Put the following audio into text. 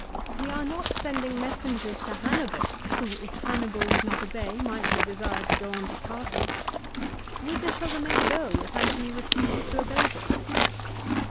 " We are not sending messages to Hannibal, who, if Hannibal would not obey, might be desired to go on to Carthage. Whither shall the men go if Antony refuses to obey them?''